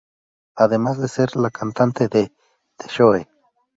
Además de ser la cantante de "The Shoe".